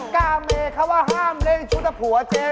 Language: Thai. กาเมเขาว่าห้ามเล่นชุดพัวเจ